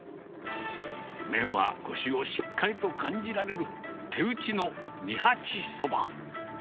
麺は、こしをしっかりと感じられる手打ちの二八そば。